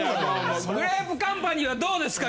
グレープカンパニーはどうですか？